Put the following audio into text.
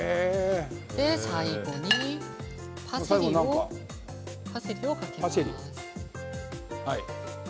最後にパセリをかけます。